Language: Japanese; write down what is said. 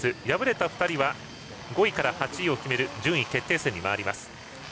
敗れた２人は５位から８位を決める順位決定戦に回ります。